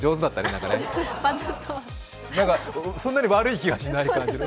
なんか、そんなに悪い気がしない感じ。